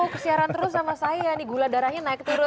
kesiaran terus sama saya nih gula darahnya naik turut